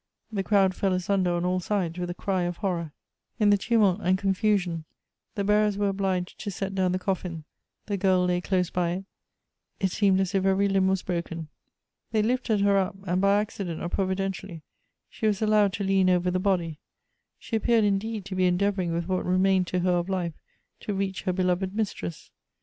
The crowd fell asunder on all sides with a cry of horror. In the tumult and confusion, the bearers were obliged to set down the coffin ; the girl lay close by it , it seemed as if every limb was broken. They lifted her up, and by acci dent or providentially she was allowed to lean over the body ; she appeared, indeed, to be endeavoring with what remained to her of life to reach her beloved mistress.